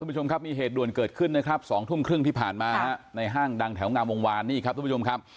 ผู้ชมครับมีเหตุด่วนเกิดขึ้นนะครับ๒ทุ่มครึ่งที่ผ่านมาฮะในห้างดังแถวงามวงวานนี่ครับทุกผู้ชมครับ